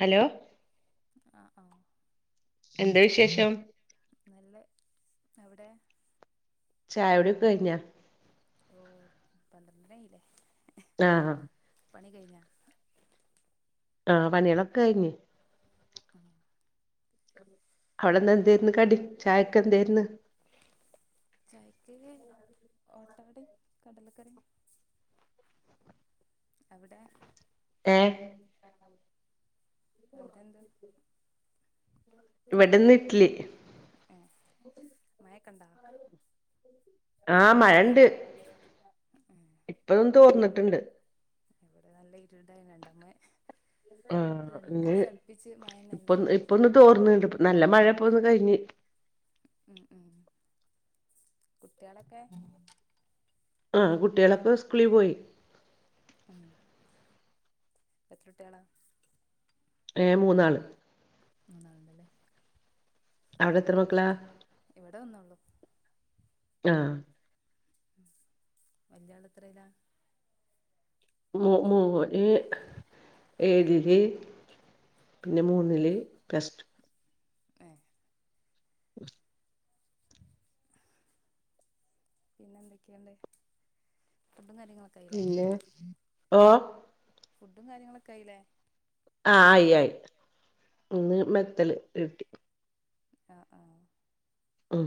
Hello ആഹ് ആഹ് എന്താ വിശേഷം നല്ലെ എവുടെ ചായുടിഒക്കേകയിഞ്ഞാ? ഓ പന്ത്രണ്ട്ണിയില്ലേ? ആഹ് ആഹ് പണികയ്ഞ്ഞോ? ആഹ് പണിയാളൊക്കെകയ്ഞ്ഞ് [inaudible] അവിടെന്നെന്തേര്ന്നു കടി ചായക്കെന്തേര്ന്നു. ചായക്ക് ഓട്ടാടികടലക്കറിം. അവിടെ ഏഹ് അവ്ടെന്താ? ഇവെട്ന്ന്ഇറ്റ്ലി. ഏഹ് മയക്കണ്ടാ? ആഹ് മഴുണ്ട് ഏഹ് ഇപ്പതും തോർന്നിട്ടുണ്ട്. ഇവിടെ നല്ല ഇരുടായി രണ്ടമ്മ ഇപ്പ ആഹ് രണ്ട് മൂന്നാലിസം അടിപ്പിച്ച് മയന്നല്ലേ? ഇപ്പൊന്ന് തോർന്നണ്ട് നല്ല മഴപ്പോ ഒന്ന് കഴിഞ്ഞ്. ഉം ഉം കുട്ട്യാളൊക്കെ? ആ കുട്ട്യാളൊക്കെ സ്കൂളിൽ പോയി. ഉം എതൃട്ട്യാള. ഏഹ് മൂന്നാള്. മൂന്നാള്ണ്ട്ല്ലേ. അവിടെ എത്ര മക്കള? ഇവിടെ ഒന്ന്ള്ളൂ. ആഹ് സ് വല്ല്യാള് എത്രയില. മോ മോ മൂന് ഏഴില് പിന്നെ ഉം മൂന്നില്. Plus two. ഏഹ് [inaudible] പിന്നെ എന്തൊക്കെയുണ്ട്. ഫുഡും കാര്യങ്ങളൊക്കെ ആയില്ലേ പിന്നെ ഓഹ് ഫുഡും കാര്യങ്ങളൊക്കെ ആയില്ലേ? ആഹ് ആയി ആയി ഇന്ന് ഉം മെത്തല് കിട്ടി. ആഹ് ആഹ് ഉം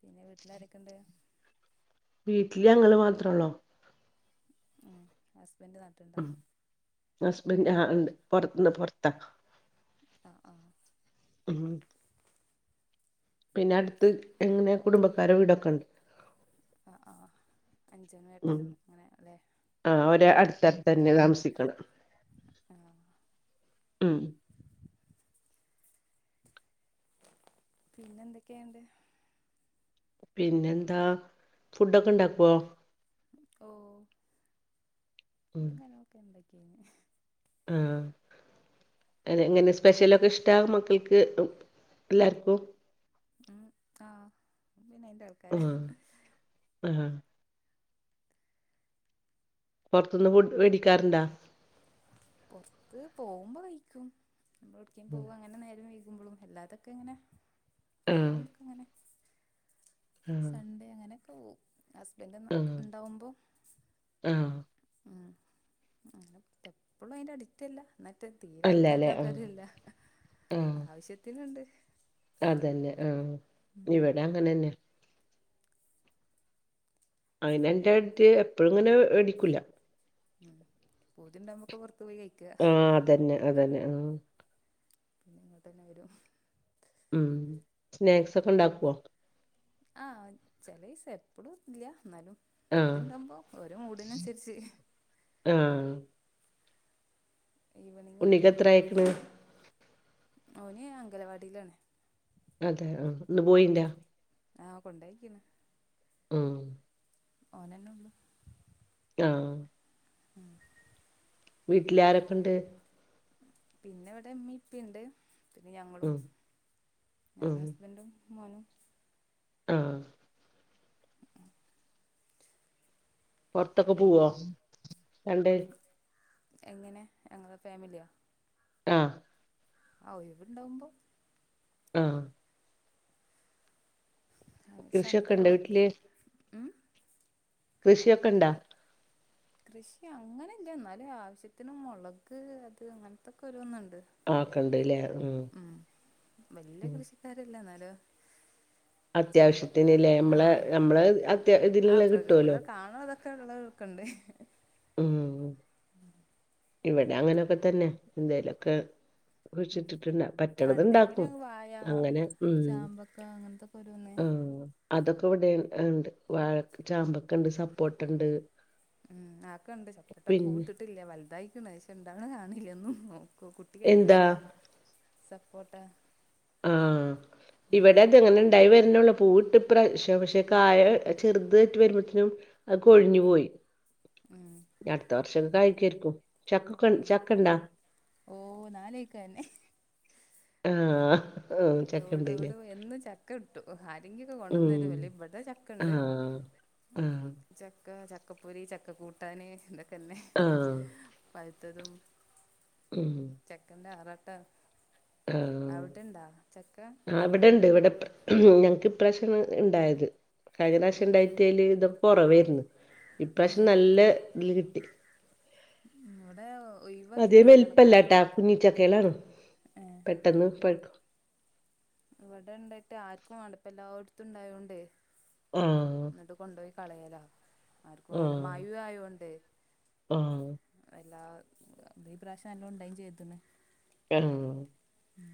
പിന്നെ വീട്ടില് അരൊക്കെ ഉണ്ട്. വീട്ടില് ഞങ്ങള് മാത്രേള്ളു. ഉം ഹസ്ബന്ഡ് നട ഉം ഹസ്ബൻഡ് ആ ഉണ്ട് പുറത്തന്ന് പുറത്താ. ആഹ് ആഹ് ഉം പിന്നെടുത്ത് എങ്ങനെ കുടുംബക്കാരെ വീടൊക്കെ ഉണ്ടോ? ആഹ് ആഹ് അഞ്ചനും, എട്ടനും, അങ്ങനെ അല്ലേ? ആഹ് ഒര് അടുത്ത്, ടുത്തന്നെ താമസിക്കണ്. ആഹ് ഉം പിന്നെ എന്തൊക്കെണ്ട്? പിന്നെന്താ ഫുഡൊക്കെ ഇണ്ടാക്കോ? ഓ ഉം ഫുഡും കാര്യങ്ങളൊക്കെ ഇണ്ടാക്കി കയിഞ്ഞ് ആ എങ്ങനെ സ്പെഷ്യലൊക്കെ ഇഷ്ടമാ മക്കൾക്ക്. കേ ഉം എല്ലാർക്കും. ഉം ആ പിന്നയിന്റെ ആള് ആഹ ആഹ് പുറത്തുന്ന് ഫുഡ്‌ മേടിക്കാറുണ്ടാ. പോറത്ത് പോകുമ്പോ കഴിക്കും നമ്മൾഏവുട്ക്കേം പോവാ അങ്ങനെ നേരം വൈ പോകുമ്പളും അല്ലാതൊക്കെ ഇങ്ങനെ ആ ഫ്രീ ആകുമ്പോ ഒക്കെ ഇങ്ങനെ. ആ സൺഡേ അങ്ങനെയൊക്കെ പോവും ഹസ്ബൻഡ് ണ്ടാവുമ്പോ? ആഹ് ഉ അങ്ങനെ എപ്പോഴും അതിന്റെ അടിററ് അല്ല. എന്നട്ട് തീരെ കഴിക്കാത്ത അല്ലല്ലേ ആ ആൾക്കാരില്ല ആവശ്യത്തിന്ണ്ട്. അതെന്നെ ആഹ ഇവിടെ അങ്ങനെന്നാ അയിന് എന്റെ ഏടത്തി എപ്പഴും ഇങ്ങനെ അടിക്കൂല. ഉം പുതി ഇണ്ടാവുമ്പോക്കെ പുറത്തു പോയി കഴിക്ക. ആ അതന്നെ അതന്നെ ആഹ് പിന്നെ ഇങ്ങോട്ടെന്നെ വെരും ഉം സ്നാക്സ് ഒക്കെ ഒണ്ടാക്കുവോ? ആഹ് ചെലേസം എപ്പളും ഇല്ല. ഇന്നാലും ആഹ് പൂതിണ്ടാമ്പോ ഒരോ മൂഡിനനുസരിച്ച്. ആഹ് ഈവനിംങ്ങൊക്കെ. ഉണ്ണിക്ക് എത്ര ആയിക്കണ് ഓൻ അംഗലവാടിയിലാണ്. അതെ ആഹ് ഇന്ന് പോയിണ്ടാ ആഹ് കൊണ്ടോയിക്കിണ്. ഉം ഓനെന്നെ ഒള്ളൂ ആഹ് ഉം വീട്ടിലാരൊക്കെണ്ട്? പിന്നെ ഇവെടെ ഉമ്മീം ഇപ്പയും ഇണ്ട് പിന്നെ ഞങ്ങളും. ഉം ഉം ഞാനും ഹസ്ബൻഡും മോനും. ആഹ് ഉം ഉം പൊറത്തൊക്കെ പോവോ രണ്ട്പേരും എങ്ങനെ ഞങ്ങളെ ഫാമിലിയാ ആഹ് ആ ഒയിവ് ഇണ്ടാവുമ്പോ. ആഹ് ആഹ്, കൃഷിയൊക്കെ സൺഡേ ഇണ്ടോ വർക്ക്. വീട്ടില് ഉം കൃഷിയൊക്കെണ്ടാ? കൃഷിയങ്ങനെയില്ല. എന്നാലും ആവശ്യത്തിന് മൊളക് അത് അങ്ങനെത്തെക്കെ ഒരോന്നൊണ്ട്. ആ അതൊക്കെണ്ടില്ലേ. ഉം. വെല്യ കൃഷിക്കാരല്ല. ഇന്നാലും ചാമ്പക്ക അത്യാവശ്യത്തിന്ല്ലേ നമ്മളെ ആഹ് നമ്മളെ അത്യാ ആ ഇതിലുള്ള പ്രക്യ കിട്ടുവല്ലോ ഇവെടെ കാണുവതൊക്കെ. ക്കെ ഉള്ളതൊക്കെ ഇണ്ട്. ഉം ഇവെടേം അങ്ങനൊക്കെ തന്നെ എന്തേലൊക്കെ. ഉം കുഴിച്ചിട്ടിട്ടുണ്ടാ ആഹ് പറ്റണത് ഇണ്ടെങ്കില് ഉണ്ടാക്കും. വായ അങ്ങനെ ഉം ചാമ്പക്ക അങ്ങനത്തൊക്കെ ഓരോന്ന് ആഹ്. അതൊക്കെ ഇവെടെ ഇണ്ട്. വാഴ ചാമ്പക്കണ്ട് സപ്പോട്ടണ്ട്. ഉം ആക്കൊണ്ട്. സപ്പോട്ട പിന്നെ പൂവിട്ടിട്ടില്ല. വലുതായിക്ക്‌ണ്. പഷേ ഇണ്ടാവ്ണ കാണില്ല്യ ഒന്നും കുട്ടിക്ക് ഭയങ്കര എന്താ ഇഷ്ടാ. സപ്പോട്ടാ. ആഹ് ഇവെടെ ഇങ്ങനെണ്ടായി വെരുണൊള്ളൂ പൂവിട്ട്പ്പ്രാവശ്യം പക്ഷെ കായ ചെറുതായ്ട്ട് വെര്മ്പത്തിനും ആഹ് കൊഴിഞ്ഞു പോയി ഉം ഇനി അടുത്ത വർഷം കായിക്കുവാരിക്കും ചക്കൊക്ക ചക്കണ്ട ഓ നാലേക്കന്നെ ആ ലോട് ഓടു എന്നും ച ക്ക കിട്ടും ആരെങ്കിക്കെ കൊണ്ടന്നു ഉം തെരും അല്ലേ ഇവെടെ ചക്കണ്ട് ആഹ് ആഹ് ചക്ക ചക്കപ്പൊരി ചക്ക കൂട്ടാന് ഇതൊക്കെന്നെ ആ പഴ്ത്തതും ഉം ചക്കെന്റെ ആറാട്ടാ ആ അവട്ണ്ട ചക്ക ആ ഇവിടെണ്ട് ഇവിടെ ഞങ്ങക്ക് ഇപ്രാശാണ് ഇണ്ടായത് കഴിഞ്ഞപ്രാവശ്യം ഉണ്ടായിട്ടതില് ഇതപ്പോ കൊറവായിരുന്നു ഇപ്രാവശ്യം നല്ല ഇതില് കിട്ടി ഇവിടെ ഓ അതിക വലുപ്പല്ല ട്ടാ കുഞ്ഞിച്ചക്കളാണ് ഏഹ് പെട്ടെന്ന് പഴ്ക്കും ഇവീടെ ഇണ്ടായിട്ട് ആർക്കും വേണ്ട പ്പ എല്ലാട്ത്തും ഉണ്ടായോണ്ട് ആ എന്നിട്ട് കൊണ്ടോയി കളയലാ ആർക്കും വേണ്ട മയു ആയോണ്ട് ആഹ് എല്ലാ ഈ പ്രാവശം നല്ലോം ഉണ്ടായ്ന്‌ ചെയ്ത്ണ് ഏഹ് ഉം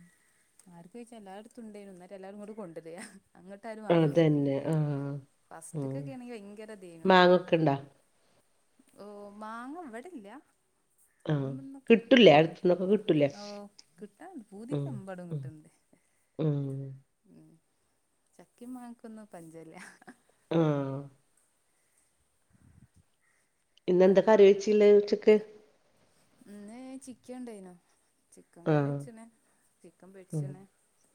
ആർക്ക്‌ ചോയ്ച്ചാൽ എല്ലായിടത്തും ഉണ്ടേയ്നു ന്ന്‌ട്ട് എല്ലാരും ങ്ങ‌ട്ട് കൊണ്ടരാ അങ്ങ പ്പാരും വാങ്ങണില്ല അതന്നെ ആ ആ ഫസ്റ്റ്ക്കൊക്കെ ആണെങ്കി ഭയങ്കരതയ്നു മാങ്ങൊക്കെ [unintelligible] ഓഹ് മാങ്ങ വ്ടല്ല ആ അവിട്ന്നുവിട്ന്നൊക്ക കിട്ടൂലേ അടുത്തന്നൊക്കെ കിട്ടുണ്ട് കിട്ടൂലേ ഓ കിട്ടണ്ട് പൂതിക്ക്‌ ഉം എമ്പാടം ഉം കിട്ട്ണ്ട് ഉം ഉം ചക്കേം മാങ്ങക്കൊന്നു പഞ്ചല്ല ആഹ് ഇന്നെന്താ കറി വെച്ചീള്ളെ ഉച്ചക്ക് ഇന്ന് ചിക്കൻണ്ടേയ്നു ചിക്കൻ ആ കറിച്ച്ണ് ചിക്കൻ ഉം പൊരിച്ച്ണ്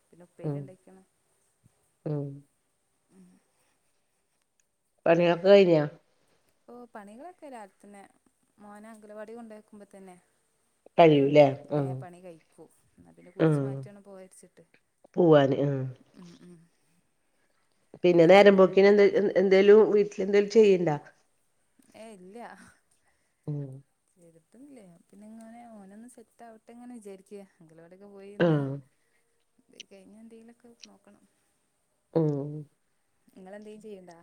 പിന്നെ ഉപ്പേരി ഉം ഇണ്ടാക്ക്ണ് ഉം പണിയൊക്കെ കഴിഞ്ഞാ ഓ പണികളൊക്കെ രാവ് ലത്തന്നെ മോന അംഗലവാടി കൊണ്ടാക്കുമ്പോ തന്നെ കഴിയൂലേ വേ ആ പണി കഴിക്കൂ എന്ന പിന്നെ കുളിച്ചു മാറ്റാണ് പോകാരിച്ചിട്ട് പൂവാന് ഉം ഉം ഉം പിന്നെ പിന്നെനേരംമ്പോക്കിന് എന്ത എന്തേലും വീട്ടിൽ എന്തേലും ചെയ്യണ്ട ഏഹ് ഇല്ല ഉം വേഗത്ത്ൻല്ലേ പിന്നെ ഇങ്ങനെ ഓനൊന്ന് സെറ്റ് ആവട്ടെ ങ്ങനെ വിചാരിക്ക ക്ക്യാ അംഗലവാടിയൊക്കെ പോയിന്ന് ആഹ് കഴിഞ്ഞ എന്തെങ്കിലൊക്കെ നോക്കണം ഉം നിങ്ങെളെന്തേയ്‌ൻ ചെയ്യണ്ട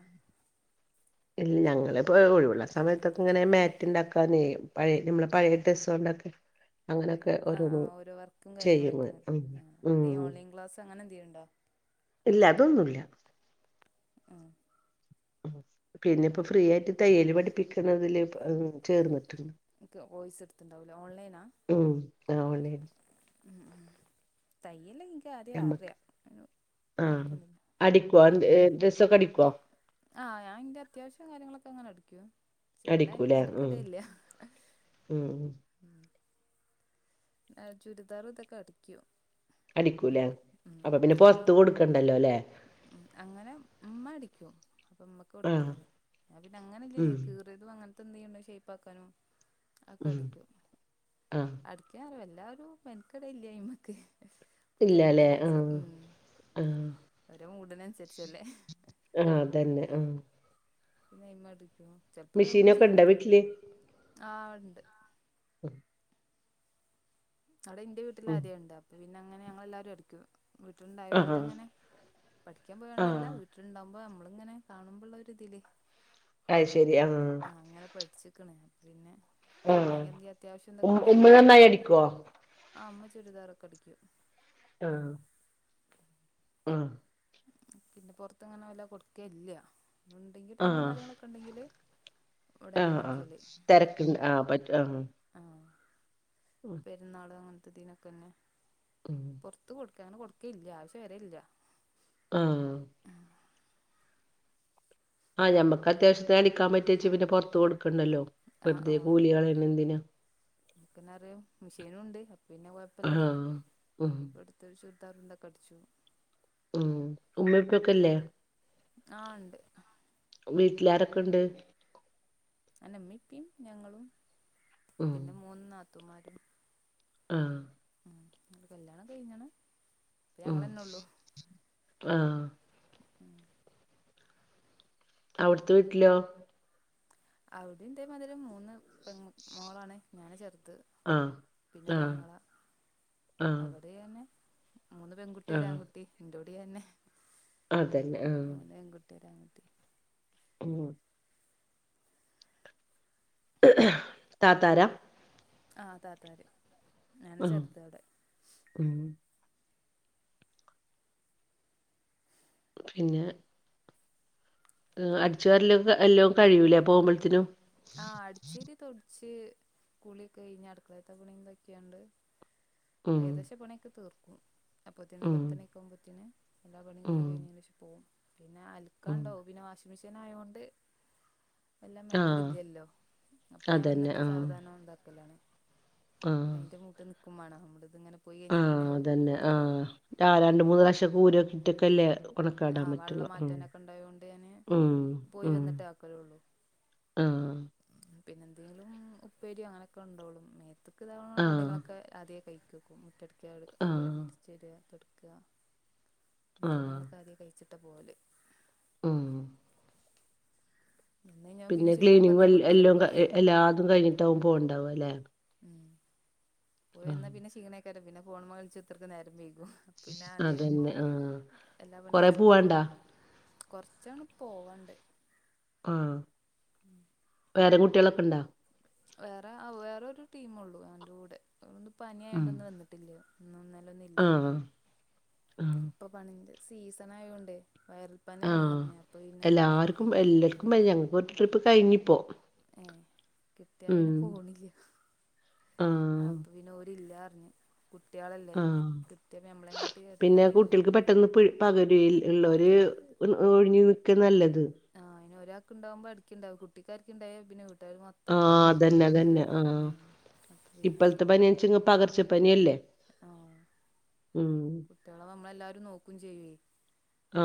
ഇല്ല ഞങ്ങള്പ്പോ ഒഴിവുള്ള സമയത്തൊക്കെ ഇങ്ങനെ മാറ്റ് ഇണ്ടാക്കാന് പയേ നമ്മള പഴയ ഡ്രസ്സ്കൊണ്ടൊക്കെ [unintelligible] ആ ആ ഓരോ വർക്കും കാര്യങ്ങളായിട്ട്ങ്ങനെ ഉം ആഹ് ഉം എന്തേയ്ലു ഓൺലൈൻ ക്ലാസ് അങ്ങനെ എന്തേലുംണ്ടോ ഇല്ല അതൊന്നുല്ല. ആഹ് ഉ പിന്നെപ്പോ ഫ്രീ ആയിട്ട് തയ്യല് പഠിപ്പിക്കണതില് ചേർന്നിട്ട്ണ്ട്. ക്ക് വോയ്സ് എടുത്തണ്ടാവുലെ ഓൺലൈനാ ഉം ആഹ് ഓൺലൈൻ ഉ ഉ തയ്യല് ൻക്ക് ആദ്യേ നമ്മക്ക് അറിയാം അ കൊഴപ്പൊന്നില്ല. അടിക്കുവ ഡ്രസ്സൊക്കെ അടിക്കോ? ആഹ് ഞാൻന്റെ അത്യാവശ്യം കാര്യങ്ങളൊക്കെ അങ്ങനെ അടിക്കും ക്ഷെ എല്ലായനും അടിക്കൂലേ ഉം മെനക്കടലില്ല. ഉം ഉ ഉം ചുരിദാറു ഇതൊക്കെ അടിക്ക്യൂ. അടിക്കൂലേ അപ്പൊ പിന്നെ പൊർത്ത് കൊടുക്കണ്ടല്ലോ അല്ലേ? ഉ അങ്ങനെ മ്മടിക്കും അപ്പ ഉമ്മക്ക് ആഹ് കൊടുക്കലാണ് ഞാൻ പിന്നെ അങ്ങനല്ലേ ഉം കീ തു അങ്ങൻത്തെ എന്തേലുംണ്ടേ ഷേപ്പാക്കാനു അതൊക്കെ ഉം അടിക്കും. ആഹ് ക്കറിയുല എല്ലാരും മെൻക്കടല്ലായ്നു അത്മക്ക് പുതിയ ഇല്ലാലേ ഐറ്റംസ് ആഹ് ഊ. ആഹ് ഒരു മൂടിനനുസരിച്ചല്ലേ ആതന്നെ ആ പിന്നെ നയി്മ അടിക്കും ചെപ്പോ തവുമ്പോ മെഷീനൊക്കെ ശീല ഇണ്ടോ വീട്ടില് ആണ്ട് ഉ അവിടെ ഇൻയ വീട്ടിൽ ഉം ആദ്യേ ഉണ്ട് അപ്പൊ പിന്നെങ്ങനെ ഞങ്ങ എല്ലാരരും അടിക്കും വീട്ടിലുണ്ടായൊണ്ട് ആഹ് ഇങ്ങനെ പഠിക്കാൻ ആഹ് പോയണ്ടല്ല വീട്ടിലുണ്ടാവക്പോ നമ്മള ഇങ്ങനെ കാണുമ്പോ ഉള്ള ഒരുരി ഇതില്േ അത് ശരി ആഹ് ആ അങ്ങനെ പഠിച്ചിിക്കണ പിന്നെ ആഹ് അെങ്കിൽ എന്തെ അത്യാവശ്യം എന്തൊക്കെ ഉം ഉണ്ടെങ്കിൽ ഉമ്മ നമ്മളന്നെ നന്നായി അടിക്കോ ആ അമ്മ ചുരിദാർൊക്കെ അടിക്കും ആഹ ആഹ പിന്നെ പുറത്ത്ങ്ങനെ വല്ല കൊടുക്ക ഇല്ല പി ഉണ്ടെങ്കി ടൈമും ആഹ് കാര്യങ്ങളൊക്കെ ഉണ്ടെങ്കില് ഇവിടെന്നെ ആഹ് ആ് അടിക്കല് തിരക്ക് ആ് പറ്റ ആ് ആഹ പെരുന്നാള് അങ്ങനത്തെതിനീനൊക്കെന്നെ ഉ പുറത്ത് കൊടുക്ക അങ്ങനെ കൊടുക്കില്ല ആവശ്യ വരല്ല ആ ആ ആ ഞമ്മക്ക് അത്യാവശ്യത്തെ അടിക്കാൻ പറ്റിയച്ചച്ച് പിന്നെ പുറത്ത്ു കൊടുക്കണ്ടല്ലോ ഇേ കൂലികളാണ് എന്തിനാ നമക്കന്നെ അറിയാം മെഷീന ഉണ്ട് അപ്പ പിന്നെ കൊഴപ്പില്ല ആഹ് ഉം തറ ചുറദാറുന്ത കടിച്ചു ഉം ഉമ്മപ്പൊക്കെല്ലേ ആ ഉണ്ട് വീട്ടിലാരൊക്കെ ഉണ്ട് അനമ്മിപ്പും ഞങ്ങളും ഉം പിന്നെ മൂന്ന നാത്തുമാരും ആ ഉ കല്യാണം കഴിഞ്ഞാണ് അപ്പ ഉം ഞങ്ങെന്നെ ഉള്ളു ആഹ് ഉം അവിടുത്ത വീട്ടിലോ അവിടെന്റെ മതിരം മൂന്ന് പെ മോളാണ് ഞൻ ചെറുത് ആഹ് പിന്നെ ആഹ് രാങ്ങള ആഹ് അവിടെ തന്നെ മൂന്ന് പെൺകുട്ടി ഒരുര് ആഹ് ആൺകുട്ടി എറോട തന്നെ അതന്നെ ആ തരതി ഉം താതാര ആഹ് താത്താര് ഞാൻ ആഹ് ചെറുത അവിടെ ഉം പിന്നെ അടിച്ചു വാരല എല്ലാം കഴിയൂല പോകുമ്പോഴത്തിനും ആഹ് അടിച്ചേരി തൊടിച്ച് കുളിയക്കെ കഴിഞ്ഞ അടുക്കളത്ത പണിന്തൊക്കെയുണ്ട് ഉം ഏകദേശം പണിയൊക്ക തീർക്കും അപ്പത്തീന് ഉം പത്തണിക്ക ആവുമ്പോത്തന് എല്ലാ പണിയും ഉം കൂടി കഴിഞ്ഞ പക്ഷെ പോവും പിന്നെ ഉം അൽക്കാണ്ടോ പിന്നെ വാഷിംഗ് മെഷീൻ ആയ കൊണ്ട് എല്ലാം മനക്കിട ആഹ് ഇല്ലല്ലോ അപ്പൊ ഞാൻ അതന്നെ വന്നിട്ട് ആഹ് സാവധാനം ഉന്താക്കലാണ് ആഹ് പിന്നെ അതിന്റെ മൂട്ട് നിക്കുമ്പേണോ നമ്മടെ ഇത് ഇങ്ങനെ പോയി കഴിഞ്ഞാൽ ആഹ് പിന്നെ അതന്നെ പതിക്ക ആഹ് ആഹ് രണ്ട് മൂന്ന് പ്രശക്ക ഊരക്കിട്ടൊക്കല്ലേ കണക്കാടാൻ ആ പറ്റുള്ള വെള്ളം ഉം മാറ്റാനൊക്കെ ഉണ്ടായോണ്ട് ഞാന് പോയി ഉം വന്നിട്ടേ ആഹ് പിന്നെന്തെങ്കിലും ഉപ്പേരിയോ അങ്ങനെയൊക്കെ ഉണ്ടോള്ളും മേത്തക്ക് ഇതക ആഹ് പണികളൊക്കെ ആദ്യേ കഴ ക്കും മുറ്റടിക്ക അകം ആഹ് അടിചേരുക തുടക്ക അങ്ങനത്തെ ആഹ് പണികളോക്കെ കഴിച്ചിട്ട പോവല് ഉം നിന്ന് കഴിഞ്ഞാൽ പിന്നെ ക്ഷീണം ക്ലീനിങ് പറഞ്ഞ് എല്ലാം കുത്തിർക്കും എല്ലാതും കഴിഞ്ഞിട്ടാവകും പോകണ്ടാവും അല്ലേ ഉം പോയിന്നാ പിന്നെ ക്ഷീണക്കാര പിന്നെ ഫോൺ മളിച്ചുത്തർക്ക് നേരം വൈക്കും പിന്നെ ആദ്യ അതന്നെ ആഹ് എല്ലാ കൊറെ പണയിച്ചിട്ട് പോ പോവാണ്ടാ കൊറച്ചോണ പോവാണ്ട് ആഹ് വേറെ കുട്ടികളൊക്കെ ഉണ്ടാ വേറെ വേറെരു ടീമള്ളു അവൻറെ കൂടെന്ന് ഉം പനിയായുണ്ടന്ന് വന്നിട്ട് ഇന്നും ഇന്നല്ലൊന്നില്ല ആഹ് ആഹ് ഇപ്പൊ പനിന്റെ സീസൺ ആയോണ്ടേ വയറൽപ്പനിയാണ് അറിഞ്ഞത് അപ്പൊ പിന്നെ എല്ലർക്കും പനിയ ഞങ്ങക്ക് ഒരു ട്രിപ്പ് കഴിഞ്ഞിപ്പോ ഏ കിട്ടിയ ഉം പിന്നെ പോണില്ല ആഹ് അപ്പൊ പിന്നെോര്ല്ല അറിഞ്ഞ് കുട്ടികളല്ലേ ആഹ് കുട്ടിയെമ്മളേയും കേട്ടി പിന്നെ ചടങ്ങറയിക്കാും കുട്ടികൾക്ക് പെട്ടെന്ന് പകരൽ ഉള്ളവര് ഒഴിഞ്ഞഞ് നിൽക്കാ നല്ലത് ആഹ് അയിന് ഒരാക്ക് ഉണ്ടാവുമ്പോ അടടുക്കണ്ടും കുട്ടിക്കാക്ക് ഉണ്ടോ പിന്നെ വീട്ടാർ മം ആതന്നെ തന്നെ ആഹ് അപ്പൊ പിന്നെ ഇപ്പോഴത്തെ പനിയച്ചിങ്ങ് പകർച്ചപ്പനില്ലേ ആഹ് ഉം കുട്ട്യളെ നമ്മളെല്ലാരും നോക്കയും ചെയ്യേ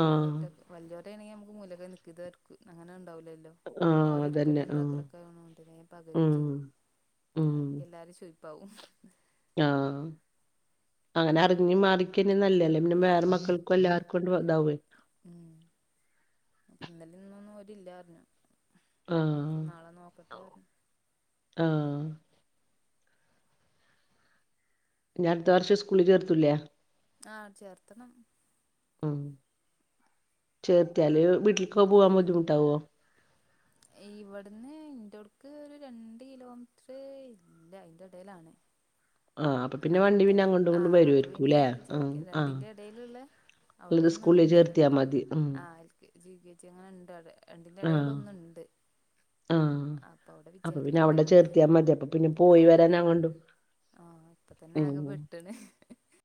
ഒരാൾ ഒറ്റ വല്ലിയോര ആണെങ്കിൽമുക്ക് മുലക്കെ നിൽക്കും ഇത് അങ്ങനെ ഉണ്ടാവില്ലല്ലോ ആഹ് അതന്നെ ഓരെടുക്കലും ആഹ് ഇതാക്കലൊക്കെ ആണ്ട പകരും ഉം ചെയ്യും ഉം ആക്കി എല്ലാരും ചോദിക്കും [unintelligible] ആഹ് അങ്ങനെ അറിഞ്ഞി മാറിക്കന്ന നല്ലല്ലേ പിന്നെ വേറെ മക്കൾക്കുംല്ലാ ഉണ്ണ്ട വാവേ ഉം അപ്പൊ ഇന്നലും ഇന്ന ഒന്നും അവരി ഇല്ല പറിഞ്ഞു നക്ക് ആഹ് നാളെ നോക്കട്ടെ ആഹ് ഞ്ഞി അടുത്ത വർഷം സ്കൂളിൽ ചേർത്തൂല്ലേ ആഹ് ചേർത്തണം ഉം ചേർത്തിയയാല് വീട്ടിലക്ക പോവാൻ ബുദ്ധിമുട്ടാവോ ഇവിടുന്ന് ഇൻ്റടക്ക് ഒരു രണ്ട് കിലോമീറ്റർ ഇല്ല അതിന്റെ ഇടയിലാണ് ആഹ് അപ്പൊ പിന്നെ വണ്ടി അടുത്ത പിന്നെ അങ്ങോട്ടും ഇങ്ങോട്ടും ആഹ് അപ്പൊ പിന്നെ വരുവായിരിക്കൂല്ലേ ഞാൻ ആഹ് വിജരിക്കിണ്ട് ആഹ് രണ്ടിന്റെ ഇടയിലുള്ള ഉള്ളത് സ്കൂളിൽ അവിടെന്നുണ്ട് ചേർത്തിയാ മതി ഉം ആഹ് L K G, U K G അങ്ങനെ ഇണ്ട് അവിടെ രണ്ടിന്റെ ആഹ് ഏടേല്ളൊന്നുമുണ്ട് ആഹ് അപ്പൊ അവിടെ അപ്പൊ വിചാരിക്കണ്ടേ അവിടെ പിന്നെ ചേർത്തിയാ മതി അപ്പൊ പിന്നെ പോയി ആഹ് അങ്ങനെ വരാൻ അങ്ങോട്ടും ആഹ് ഇപ്പ തന്നെ ആകെ ഉം പെട്ടണ്